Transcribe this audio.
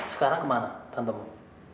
sekarang kemana tante om